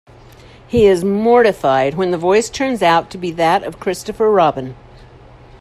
He is mortified when the voice turns out to be that of Christopher Robin.